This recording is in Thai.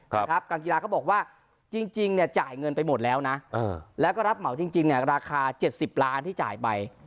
ครับการกีฬาเขาบอกว่าจริงจริงเนี่ยจ่ายเงินไปหมดแล้วนะเออแล้วก็รับเหมาจริงจริงเนี่ยราคาเจ็ดสิบล้านที่จ่ายไป